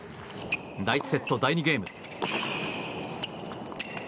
第１セット第２ゲーム。